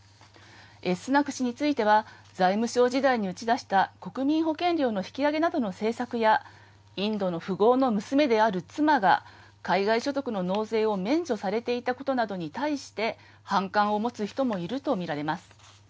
スナク氏については、財務相時代に打ち出した国民保険料の引き上げなどの政策や、インドの富豪の娘である妻が、海外所得の納税を免除されていたことなどに対して、反感を持つ人もいると見られます。